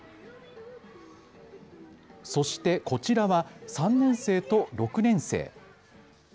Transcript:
そしてこちらは３年生と６年生。